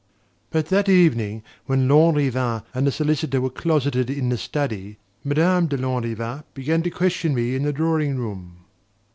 But that evening, when Lanrivain and the solicitor were closeted in the study, Madame de Lanrivain began to question me in the drawing room.